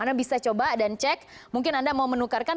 anda bisa coba dan cek mungkin anda mau menukarkan